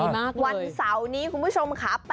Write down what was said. ง่ายวันเสานี้คุณผู้ชมค่ะ